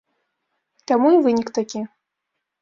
Таму і вынік такі.